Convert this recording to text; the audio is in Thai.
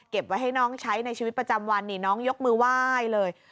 ไว้ให้น้องใช้ในชีวิตประจำวันนี่น้องยกมือไหว้เลย